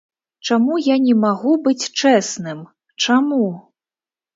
Чаму я не магу быць чэсным, чаму?